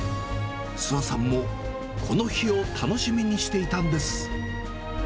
諏訪さんもこの日を楽しみにしていたんです。